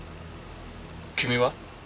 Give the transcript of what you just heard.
君は？